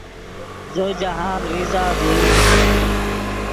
زو جاہند ریزہ ڤئیم